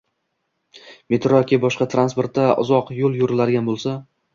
Metro yoki boshqa transportda uzoq yo‘l yuriladigan bo‘lsa